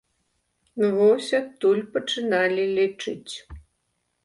Вось адтуль пачыналі лічыць.